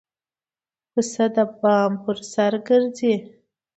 پسه د بام پر سر نه ګرځي.